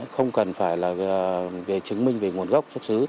không cần phải là về chứng minh về nguồn gốc xuất xứ